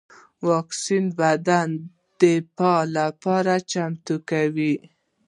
واکسین بدن د دفاع لپاره چمتو کوي